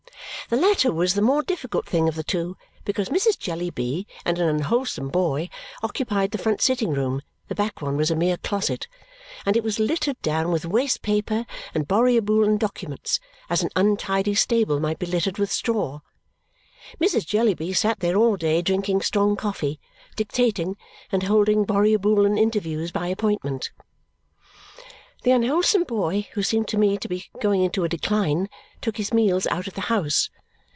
The latter was the more difficult thing of the two because Mrs. Jellyby and an unwholesome boy occupied the front sitting room (the back one was a mere closet), and it was littered down with waste paper and Borrioboolan documents, as an untidy stable might be littered with straw. Mrs. Jellyby sat there all day drinking strong coffee, dictating, and holding Borrioboolan interviews by appointment. The unwholesome boy, who seemed to me to be going into a decline, took his meals out of the house.